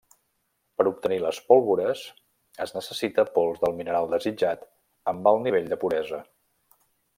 Per obtenir les pólvores, es necessita pols del mineral desitjat amb alt nivell de puresa.